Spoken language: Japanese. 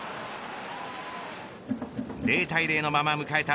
０対０のまま迎えた